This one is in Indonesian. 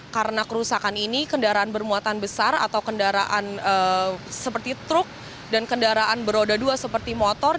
karena kerusakan ini kendaraan bermuatan besar atau kendaraan seperti truk dan kendaraan beroda dua seperti motor